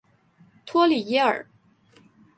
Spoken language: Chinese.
托里耶尔。